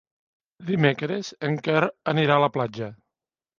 Dimecres en Quer anirà a la platja.